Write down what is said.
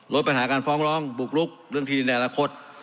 ลดปัญหาการฟ้องร้องบุกลุกเรื่องที่ดินในอนาคต